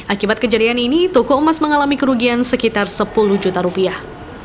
akibat kejadian ini toko emas mengalami kerugian sekitar sepuluh juta rupiah